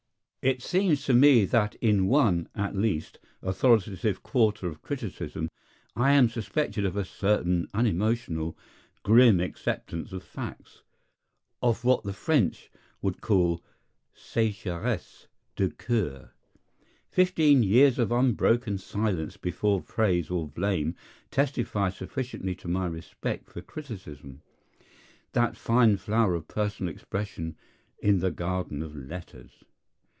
It seems to me that in one, at least, authoritative quarter of criticism I am suspected of a certain unemotional, grim acceptance of facts—of what the French would call sécheresse du cœur. Fifteen years of unbroken silence before praise or blame testify sufficiently to my respect for criticism, that fine flower of personal expression in the garden of letters.